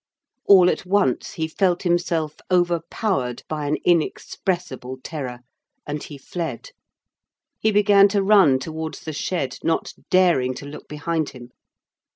All at once he felt himself overpowered by an inexpressible terror, and he fled. He began to run towards the shed, not daring to look behind him.